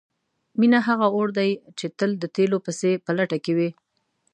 مینه هغه اور دی چې تل د تیلو پسې په لټه کې وي.